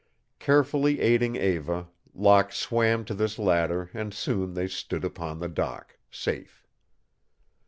Carefully aiding Eva, Locke swam to this ladder and soon they stood upon the dock, safe.